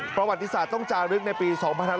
ประวัติศาสตร์ต้องจารึกในปี๒๕๖๒